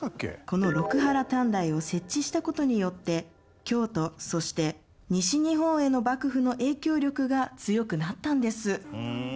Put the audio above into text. この六波羅探題を設置した事によって京都そして西日本への幕府の影響力が強くなったんです。